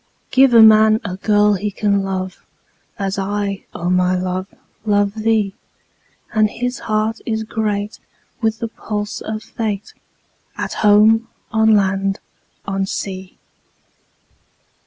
Give a man a girl he can love, As I, O my love, love thee; 10 And his heart is great with the pulse of Fate, At home, on land, on sea.